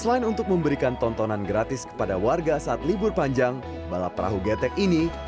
terus untuk peserta sendiri memperebutkan berapa total harganya